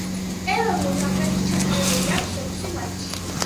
ეროვნულ ნაკრებში ჩატარებული აქვს ექვსი მატჩი.